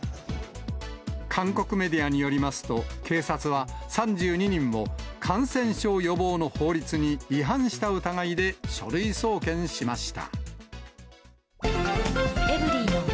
韓国メディアによりますと、警察は３２人を感染症予防の法律に違反した疑いで書類送検しました。